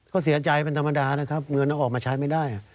ก็เสียใจเป็นธรรมดานะครับเงินออกมาใช้ไม่ได้